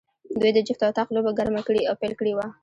دوی د جفت او طاق لوبه ګرمه کړې او پیل کړې وه.